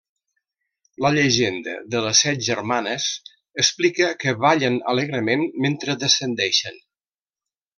La llegenda de les Set germanes explica que ballen alegrement mentre descendeixen.